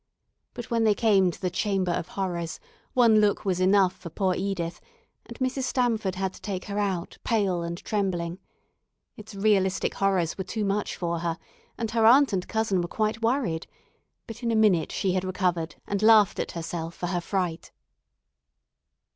But when they came to the "Chamber of Horrors" one look was enough for poor Edith, and Mrs. Stamford had to take her out, pale and trembling. Its realistic horrors were too much for her, and her aunt and cousin were quite worried, but in a minute she had recovered and laughed at herself for her fright.